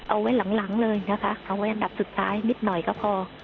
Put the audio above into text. เอาไว้หลังเลยนะคะเอาไว้อันดับสุดท้ายนิดหน่อยก็พอ